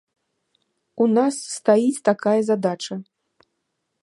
У нас стаіць такая задача.